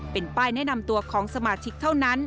เป็นป้ายแนะนำตัวของสมาชิกเท่านั้น